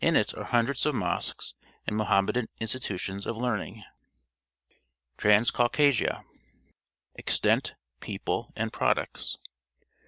it are hundreds of mosques and IMoham medan institutions of learning. TRANSCAUCASIA Extent, People, and Products.